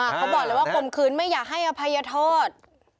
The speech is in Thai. เขาบอกเลยว่าคมคืนไม่อยากให้อภัยโทษ